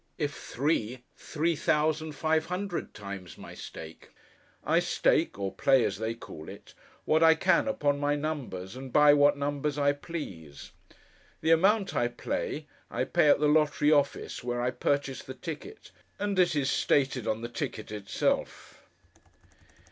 If three, three thousand five hundred times my stake. I stake (or play as they call it) what I can upon my numbers, and buy what numbers I please. The amount I play, I pay at the lottery office, where I purchase the ticket; and it is stated on the ticket itself.